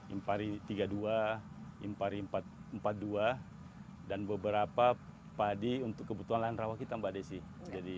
impari tiga puluh dua impari empat puluh dua dan beberapa padi untuk kebutuhan lahan rawa kita mbak desi